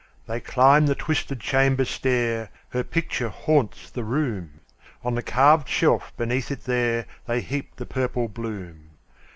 They climb the twisted chamber stair; Her picture haunts the room; On the carved shelf beneath it there, They heap the purple bloom.